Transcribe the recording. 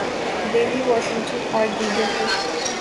Delhi, Washington اور ''دیگر" ہیں۔